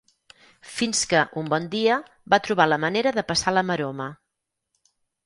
Fins que, un bon dia, va trobar la manera de passar la maroma.